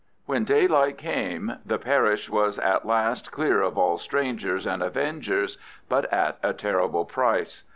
When daylight came the parish was at last clear of all strangers and avengers, but at a terrible price.